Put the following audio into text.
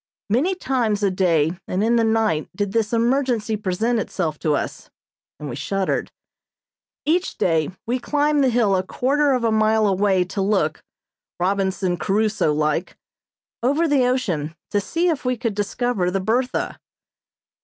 Many times a day and in the night did this emergency present itself to us, and we shuddered. Each day we climbed the hill a quarter of a mile away to look, Robinson Crusoe like, over the ocean to see if we could discover the "Bertha."